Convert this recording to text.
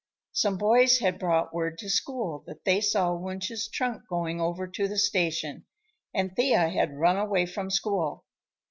Some boys had brought word to school that they saw Wunsch's trunk going over to the station, and Thea had run away from school.